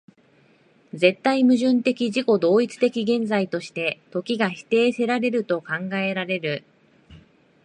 絶対矛盾的自己同一的現在として、時が否定せられると考えられる